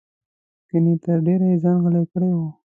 ګنې تر ډېره یې ځان غلی کړی و.